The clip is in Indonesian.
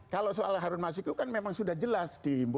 kalau soal harun mas hiku kan memang sudah jelas diimbu